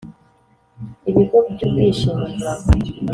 ibigo by’ ubwishingizi